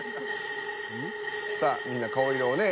さあみんな顔色をね